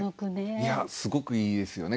いやすごくいいですよね。